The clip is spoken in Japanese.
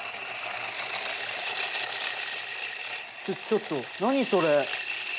ちょちょっと何それ？